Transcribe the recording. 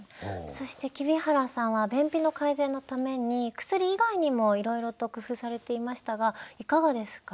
そして黍原さんは便秘の改善のために薬以外にもいろいろと工夫されていましたがいかがですか？